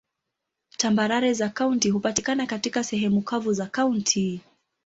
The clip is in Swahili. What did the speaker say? Tambarare za kaunti hupatikana katika sehemu kavu za kaunti.